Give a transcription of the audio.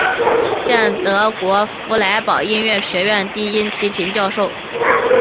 现德国弗莱堡音乐学院低音提琴教授。